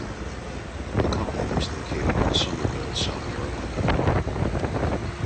The company was located in Summerville, South Carolina.